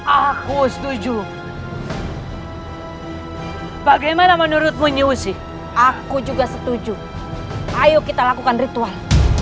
aku setuju bagaimana menurutmu nyusi aku juga setuju ayo kita lakukan ritual